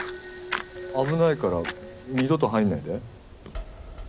危ないから二度と入らないで。